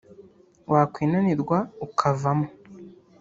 wakwinanirwa ukavamo